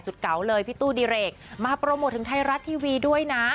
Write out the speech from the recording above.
เก่าเลยพี่ตู้ดิเรกมาโปรโมทถึงไทยรัฐทีวีด้วยนะ